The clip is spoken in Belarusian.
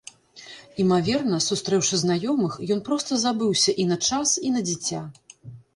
Імаверна, сустрэўшы знаёмых, ён проста забыўся і на час, і на дзіця.